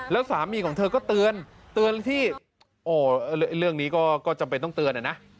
แล้วสามีของเธอก็เตือนเตือนที่เรื่องนี้ก็จำเป็นต้องเตือนนะ